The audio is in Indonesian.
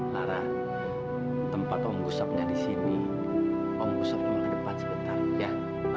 lara tempat om busaknya di sini om busuk cuma ke depan sebentar ya